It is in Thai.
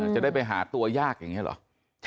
จะได้ไปหาตัวยากอย่างนี้เหรอ